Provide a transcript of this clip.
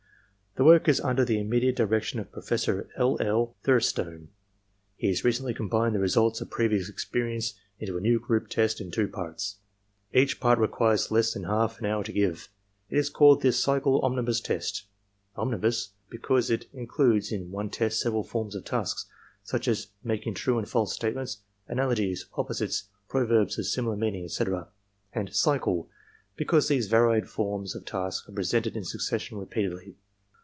The work is under the immediate direction of Professor L. L. Thurstone. He has recently cpmbined the results of previous experience into a new group test in two parts. Each part requires less than half an hour to give. It is called the "cycle omnibus test" — "omnibus," because it includes in one test several forms of tasks, such as marking true and false statements, analogies, opposites, proverbs of similar meaning, etc., and 'cycle,' be cause these varied forms of task are presented in succession re peatedly.